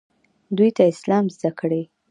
دوی ته اسلام زده کړئ